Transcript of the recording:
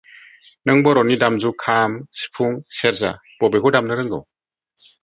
नों बर'नि दामजु खाम, सिफुं , सेरजा बबेखौ दामनो रोंगौ?